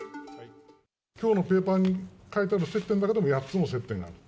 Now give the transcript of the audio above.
きょうのペーパーに書いてある接点だけでも８つの接点がある。